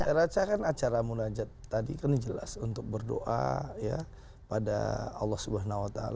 saya rasa kan acara munajat tadi kan jelas untuk berdoa ya pada allah swt